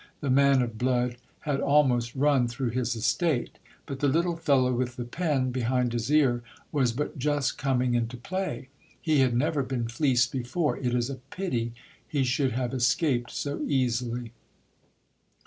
The man of blood had almost run through his estate, but the little fellow with the pen be hind his ear was but just coming into play. He had never been fleeced before, it is a pity he should have escaped so easily.